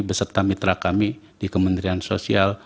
beserta mitra kami di kementerian sosial